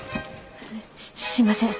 すすいません。